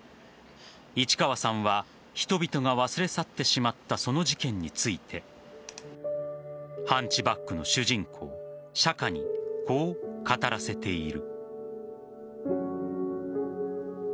市川さんは人々が忘れ去ってしまったその事件について「ハンチバック」の主人公釈華にこう語らせている。